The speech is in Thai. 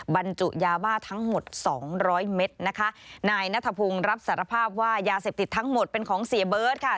บรรจุยาบ้าทั้งหมดสองร้อยเมตรนะคะนายนัทพงศ์รับสารภาพว่ายาเสพติดทั้งหมดเป็นของเสียเบิร์ตค่ะ